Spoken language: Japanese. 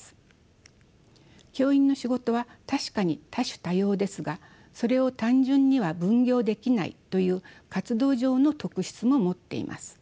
教員の仕事は確かに多種多様ですがそれを単純には分業できないという活動上の特質も持っています。